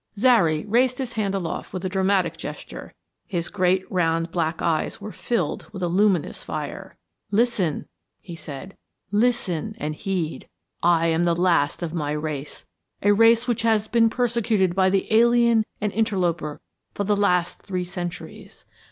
Zary raised his hand aloft with a dramatic gesture; his great round black eyes were filled with a luminous fire. "Listen," he said. "Listen and heed. I am the last of my race, a race which has been persecuted by the alien and interloper for the last three centuries.